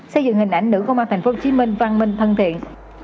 xây dựng hình ảnh nữ công an tp hcm văn minh thân thiện